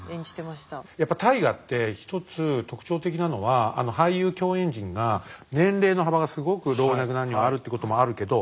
やっぱ「大河」って一つ特徴的なのは俳優共演陣が年齢の幅がすごく老若男女があるってこともあるけど